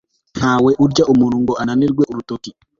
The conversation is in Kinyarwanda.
ntawe urya umuntu ngo ananirwe n'urutoki